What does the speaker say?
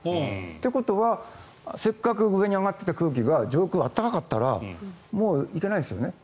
ということは、せっかく上に上がってきた空気が上空が暖かかったらもう行けないですよね。